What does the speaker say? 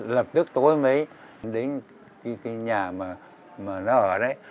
lập tức tối mới đến cái nhà mà nó ở đấy